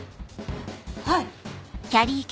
はい。